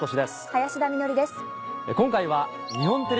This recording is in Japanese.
林田美学です。